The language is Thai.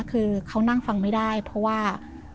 คือเขานั่งฟังไม่ได้เพราะว่า